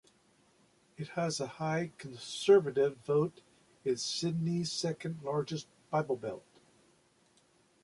It has a high conservative vote and is Sydney's second largest bible belt.